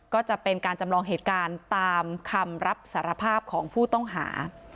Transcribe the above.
ก็จะเป็นการจำลองเหตุการณ์ตามคำรับสารภาพของผู้ต้องหา